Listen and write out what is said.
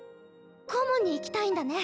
コモンに行きたいんだね？